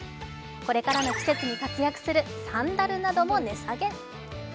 これからの季節に活躍するサンダルなども値下げ。